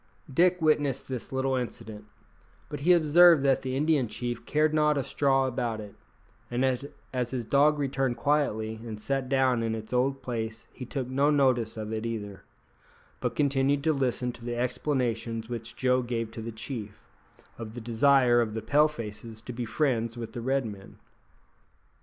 Dick witnessed this little incident; but he observed that the Indian chief cared not a straw about it, and as his dog returned quietly and sat down in its old place he took no notice of it either, but continued to listen to the explanations which Joe gave to the chief, of the desire of the Pale faces to be friends with the Red men.